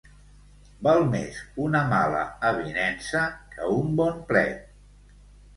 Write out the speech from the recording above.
Val més una mala avinença que un bon plet.